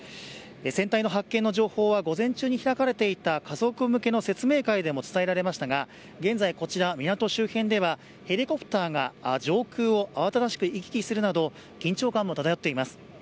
船体の発見の情報は午前中に開かれていた家族向けの説明会でも伝えられていましたが現在、港周辺ではヘリコプターが上空を慌ただしく行き来するなど緊張感も漂っています。